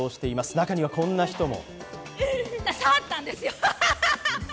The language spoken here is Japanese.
中にはこんな人も。